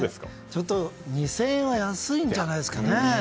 ちょっと２０００円は安いんじゃないですかね。